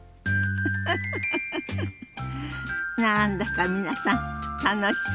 フフフ何だか皆さん楽しそうね。